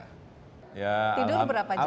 tidur berapa jam